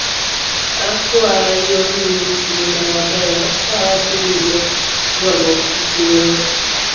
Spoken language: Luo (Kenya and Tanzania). Akwayonu ngima maber, kawadhi nyime goruok gi tuoni.